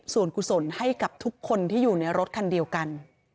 ส่วนกุศลให้กับทุกคนที่อยู่ในรถคันเดียวกัน